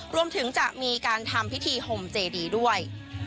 รวมถึงจะมีการทำพิธีห่มเจดีด้วย